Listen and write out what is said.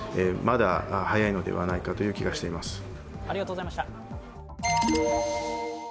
まだ早いのではないかという気がしています。